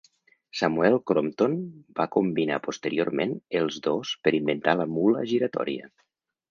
Samuel Crompton va combinar posteriorment els dos per inventar la mula giratòria.